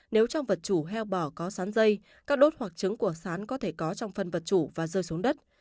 nếu trong vật chủ heo bỏ có sán dây các đốt hoặc trứng của sán có thể có trong phân vật chủ và rơi xuống đất